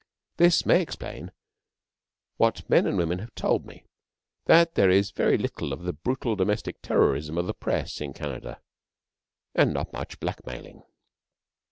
(This may explain what men and women have told me that there is very little of the brutal domestic terrorism of the Press in Canada, and not much blackmailing.)